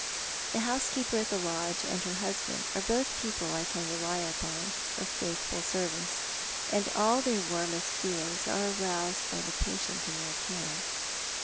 The housekeeper at the lodge and her husband are both people I can rely upon for faithful service, and all their warmest feehngs are aroused by the patient in their charge.